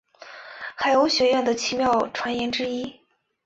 海鸥学园的奇妙传言之一。